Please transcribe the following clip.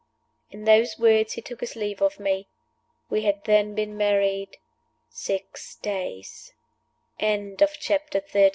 In those words he took his leave of me. We had then been married six days. CHAPTER XIV.